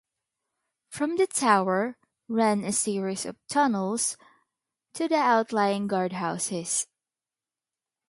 From the tower ran a series of tunnels to the outlying guardhouses.